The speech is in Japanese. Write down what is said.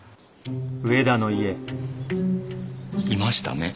いましたね。